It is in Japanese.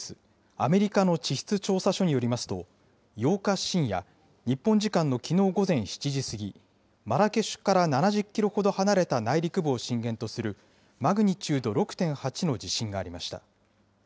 ・アメリカの地質調査所によりますと、８日深夜、日本時間のきのう午前７時過ぎ、マラケシュから７０キロほど離れた内陸部を震源とするマグニチュード６．８の地震がありました。